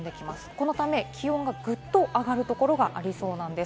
このため気温がぐっと上がるところがありそうです。